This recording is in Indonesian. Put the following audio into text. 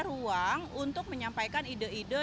ruang untuk menyampaikan ide ide